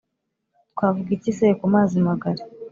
twavuga iki se ku mazi magari